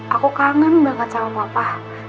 aku kangen banget sama papa